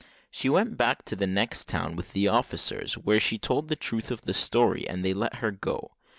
She went back to the next town with the officers, where she told the truth of the story, and they let her go.